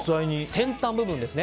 先端部分です。